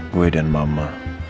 gue dan mama